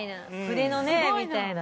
筆のねみたいなね。